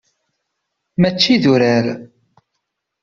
Mačči d urar.